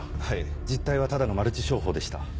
はい実態はただのマルチ商法でした。